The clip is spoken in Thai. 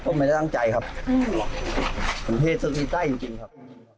เห็นสุดดีใจจริงครับ